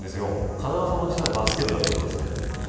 風間さんも実はバスケ部だったそうですね。